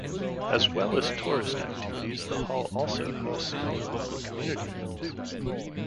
As well as tourist activities, the hall also hosts many local community events.